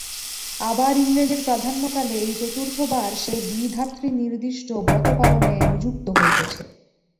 আবার ইংরেজের প্রাধান্যকালে এই চতুর্থবার সে বিধাতৃ-নির্দিষ্ট ব্রতপালনে নিযুক্ত হইতেছে।